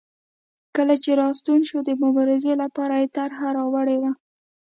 کله چې راستون شو د مبارزې لپاره یې طرحه راوړې وه.